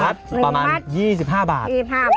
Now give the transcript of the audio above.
๑มัดประมาณ๒๕บาท